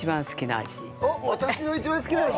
私の一番好きな味？